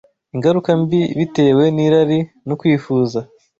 ingaruka mbi bitewe n’irari no kwifuza